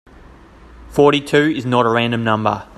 Forty-two is not a random number.